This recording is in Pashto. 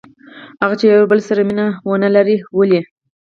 هغه چې یو له بل سره مینه ونه لري؟ ولې؟